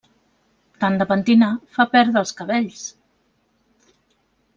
Tant de pentinar fa perdre els cabells.